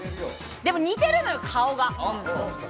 似てるのよ顔が。